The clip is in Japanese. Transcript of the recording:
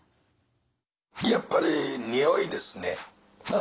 やっぱり匂いですね。